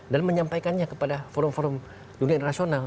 dan menyampaikannya kepada forum forum dunia internasional